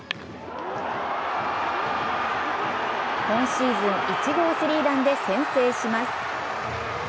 今シーズン１号スリーランで先制します。